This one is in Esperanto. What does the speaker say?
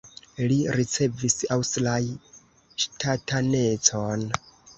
Li ricevis aŭstraj ŝtatanecon.